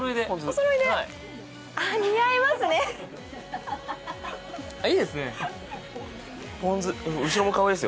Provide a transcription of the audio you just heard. おそろいで。